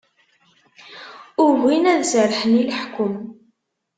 Ugin ad serrḥen i leḥkem.